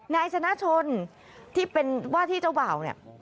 นายชนะชนที่เป็นว่าที่เจ้าบ่าวเนี่ย